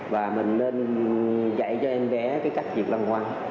và mình nên dạy cho em bé cái cách diệt lăng quăng